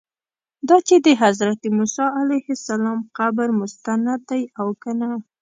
دا چې د حضرت موسی علیه السلام قبر مستند دی او که نه.